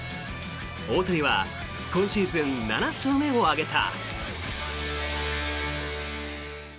大谷は今シーズン７勝目を挙げた。